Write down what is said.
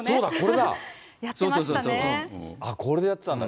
これでやってたんだ。